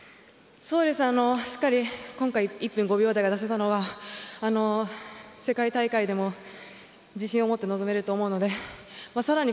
しっかり今回１分５秒台が出せたのは世界大会でも自信を持って臨めると思うのでさらに